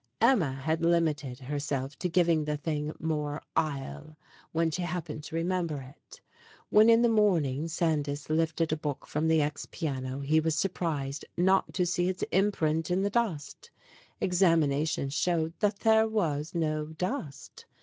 Emma had limited herself to giving the thing "more ile" when she happened to remember it. When in the morning Sandys lifted a book from the ex piano he was surprised not to see its imprint in the dust; examination showed that there was no dust.